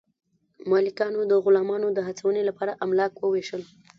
مالکانو د غلامانو د هڅونې لپاره املاک وویشل.